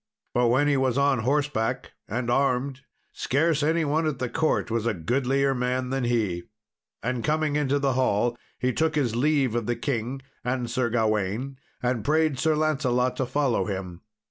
But when he was on horseback and armed, scarce any one at the court was a goodlier man than he. And coming into the hall, he took his leave of the king and Sir Gawain, and prayed Sir Lancelot to follow him.